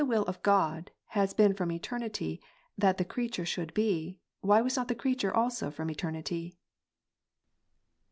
233 of God has been from eternity that the creature should be, why was not the creature also from eternity